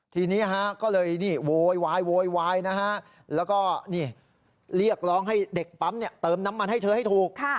ทีนี้ก็เลยนี่โวยวายโวยวายนะฮะแล้วก็เรียกร้องให้เด็กปั๊มเติมน้ำมันให้เธอให้ถูก